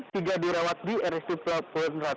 tiga direwat di rsjpw